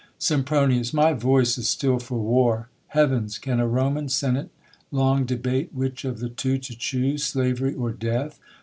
Sempronius., My voice is still for war. Heav'ns ! can a Roman senate long debate Which of the two to choose, slav'ry or death